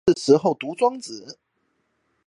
正是時候讀莊子